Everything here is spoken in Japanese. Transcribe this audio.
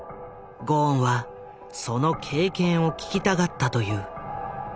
ゴーンはその経験を聞きたがったという。